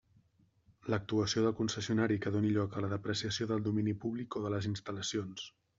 L'actuació del concessionari que doni lloc a la depreciació del domini públic o de les instal·lacions.